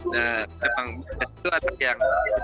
nah memang itu anak yang